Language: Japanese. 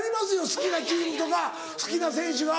好きなチームとか好きな選手が。